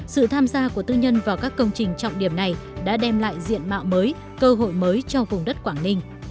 sự tham gia của tư nhân vào các công trình trọng điểm này đã đem lại diện mạo mới cơ hội mới cho vùng đất quảng ninh